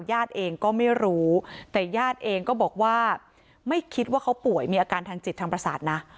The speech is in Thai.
ญาติเองก็ไม่รู้แต่ญาติเองก็บอกว่าไม่คิดว่าเขาป่วยมีอาการทางจิตทางประสาทนะ